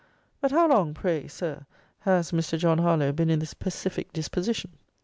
But how long, pray, Sir, has Mr. John Harlowe been in this pacific disposition?